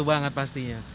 ngebantu banget pastinya